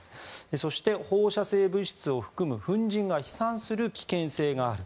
そして放射性物質を含む粉じんが飛散する危険性がある。